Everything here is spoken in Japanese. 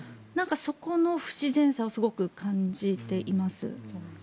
そこの不自然さをすごく感じています。